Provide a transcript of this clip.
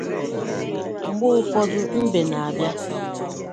Mgbe ụfọdụ mbe na-abịa